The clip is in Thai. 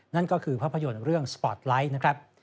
นั่นก็คือภาพยนตร์เรื่องสปอร์ตไลท์นะครับ